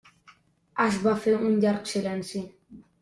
Es va fer un llarg silenci.